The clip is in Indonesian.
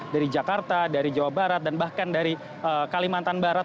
dari jakarta dari jawa barat dan bahkan dari kalimantan barat